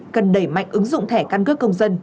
cần đẩy mạnh ứng dụng thẻ căn cước công dân